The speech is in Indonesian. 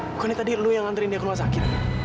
bukannya tadi lo yang nganterin dia ke rumah sakit